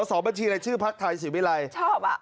สอบบัญชีอะไรชื่อพระไทยศิวิรัยชอบอะ